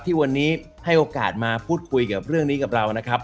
ที่วันนี้ให้โอกาสมาพูดคุยกับเรื่องนี้กับเรานะครับ